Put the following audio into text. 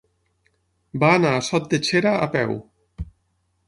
Va anar a Sot de Xera a peu.